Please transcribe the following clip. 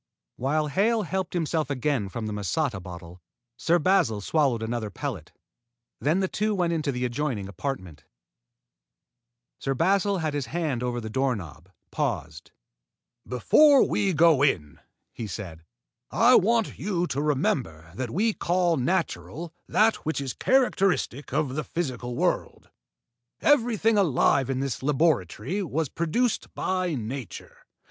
While Hale helped himself again from the masata bottle, Sir Basil swallowed another pellet. Then the two went into the adjoining apartment. Sir Basil, his hand over the doorknob, paused. "Before we go in," he said, "I want you to remember that we call natural that which is characteristic of the physical world. Everything alive in this laboratory was produced by nature.